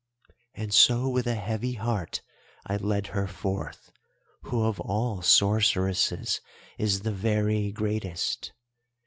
"And so with a heavy heart I led her forth, who of all sorceresses is the very greatest.